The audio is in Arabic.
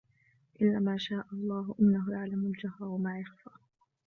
إلا ما شاء الله إنه يعلم الجهر وما يخفى